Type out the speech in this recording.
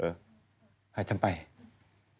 เออถ่ายจนไปงงไหมล่ะ